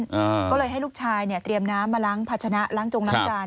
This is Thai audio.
อ่าก็เลยให้ลูกชายเนี่ยเตรียมน้ำมาล้างพัชนะล้างจงล้างจาน